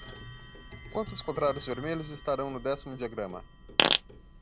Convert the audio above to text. Quantos quadrados vermelhos estarão no décimo diagrama?